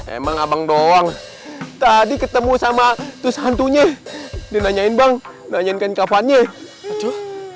emang abang doang tadi ketemu sama hantunya nanyain nanyain kapan ya